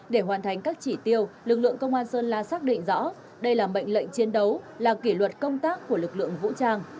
để hoàn thành các chỉ tiêu lực lượng công an sơn la xác định rõ đây là mệnh lệnh chiến đấu là kỷ luật công tác của lực lượng vũ trang